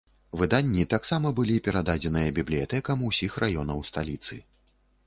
Выданні таксама былі перададзеныя бібліятэкам усіх раёнаў сталіцы.